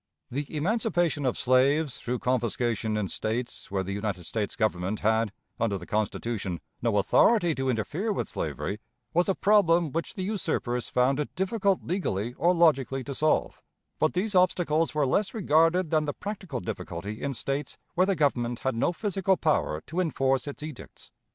The emancipation of slaves through confiscation in States where the United States Government had, under the Constitution, no authority to interfere with slavery, was a problem which the usurpers found it difficult legally or logically to solve, but these obstacles were less regarded than the practical difficulty in States where the Government had no physical power to enforce its edicts.